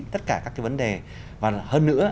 tất cả các cái vấn đề và hơn nữa